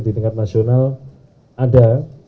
di tingkat nasional ada